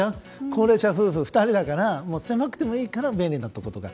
高齢者夫婦２人だけだから狭くてもいいから便利なところとか。